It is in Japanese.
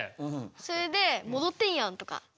それで「戻ってんやん！」とか。